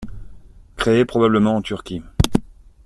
Créée probablement en Turquie.